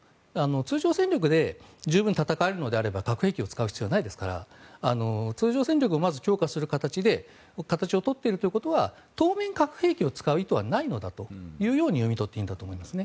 通常戦力で十分戦えるのであれば核兵器を使う必要はないですから通常戦力をまず強化する形を取っているということは当面、核兵器を使う意図はないのだと読み取っていいんだと思います。